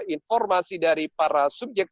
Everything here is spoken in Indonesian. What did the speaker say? informasi dari para subjek